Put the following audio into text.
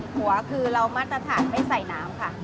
หัวคือเรามาตรฐานไม่ใส่น้ำค่ะ